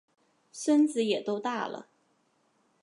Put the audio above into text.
孙子也都大了